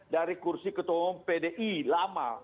dari kursi ketua umum pdi lama